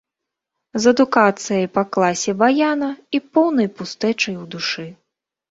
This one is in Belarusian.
З адукацыяй па класе баяна і поўнай пустэчай ў душы.